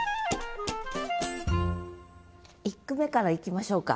１句目からいきましょうか。